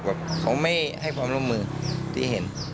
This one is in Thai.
เขาไม่ให้ความร่วมมือที่เห็น